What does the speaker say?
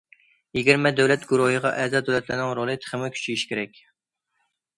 يىگىرمە دۆلەت گۇرۇھىغا ئەزا دۆلەتلەرنىڭ رولى تېخىمۇ كۈچىيىشى كېرەك.